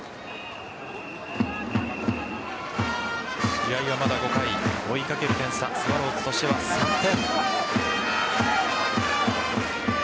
試合はまだ５回追いかける点差スワローズとしては３点。